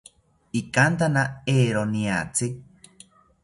Ikantana eero niatzi